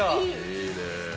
いいねぇ。